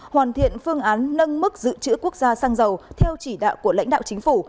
hoàn thiện phương án nâng mức dự trữ quốc gia xăng dầu theo chỉ đạo của lãnh đạo chính phủ